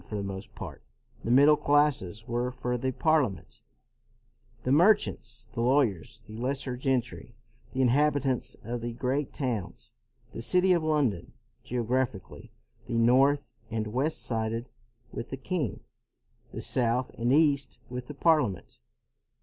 For the most part, the middle classes were for the Parliament, the merchants, the lawyers, the lesser gentry, the inhabitants of the great towns, the city of London. Geographically, the north and west sided with the king; the south and east, with the Parliament.